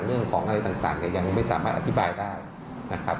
เรื่องของอะไรต่างเนี่ยยังไม่สามารถอธิบายได้นะครับ